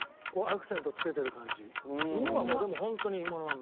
芋はもうでもホントに芋のまんま。